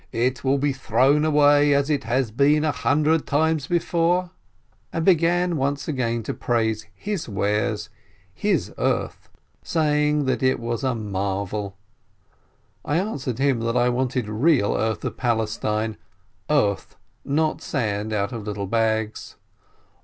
it will be thrown away, as it has been a hundred times already!" and began once more to praise his wares, his earth, saying it was a marvel. I answered him that I wanted real earth of Palestine, earth, not sand out of little bags.